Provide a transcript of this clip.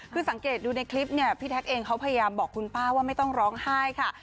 คือสังเกตดูในคลิปเนี่ยพี่แท็กเองเขาพยายามบอกคุณป้าว่าไม่ต้องร้องไห้ค่ะ